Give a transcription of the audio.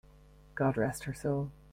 God rest her soul!